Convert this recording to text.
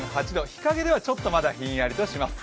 日影では、ちょっとまだひんやりとします。